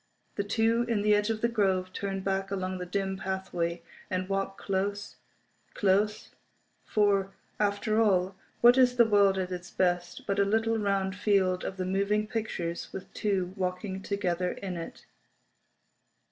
The two in the edge of the grove turn back along the dim pathway, and walk close, close—for, after all, what is the world at its best but a little round field of the moving pictures with two walking together in it?